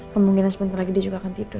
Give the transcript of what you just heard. kemungkinan sebentar lagi dia juga akan tidur